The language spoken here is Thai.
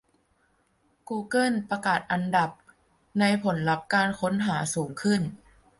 กูเกิลประกาศปรับอันดับในผลลัพธ์การค้นหาให้สูง ขึ้น